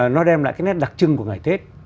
nó đem lại cái nét đặc trưng của ngày tết